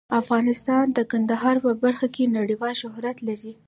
افغانستان د کندهار په برخه کې نړیوال شهرت لري.